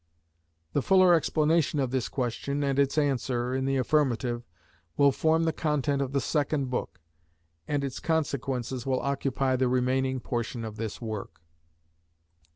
The fuller explanation of this question and its answer in the affirmative, will form the content of the second book, and its consequences will occupy the remaining portion of this work.